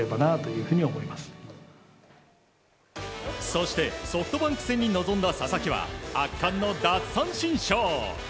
そしてソフトバンク戦に臨んだ佐々木は圧巻の奪三振ショー。